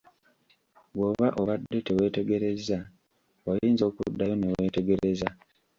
Bw'oba obadde teweetegerezza oyinza okuddayo ne weetegereza.